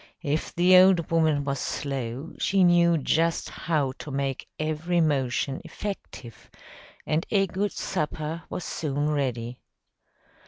If the old woman was slow, she knew just how to make every motion effective, and a good supper was soon ready.